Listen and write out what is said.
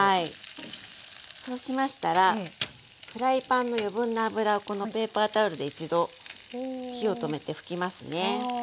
そうしましたらフライパンの余分な油をこのペーパータオルで一度火を止めて拭きますね。